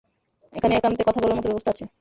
এখানে একান্তে কথা বলার মতো ব্যবস্থা আছে?